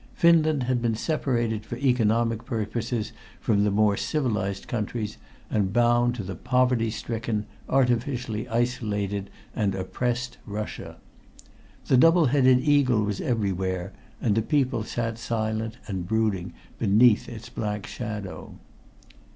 Finland had been separated for economic purposes from the more civilized countries, and bound to the poverty stricken, artificially isolated and oppressed Russia. The double headed eagle was everywhere, and the people sat silent and brooding beneath its black shadow.